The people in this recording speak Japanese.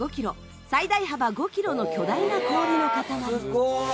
最大幅５キロの巨大な氷の塊。